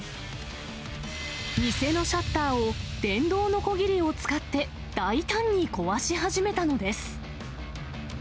店のシャッターを、電動のこぎりを使って大胆に壊し始めたのです。